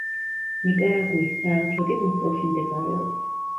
ნიკარაგუის საელჩო კი მოსკოვში მდებარეობს.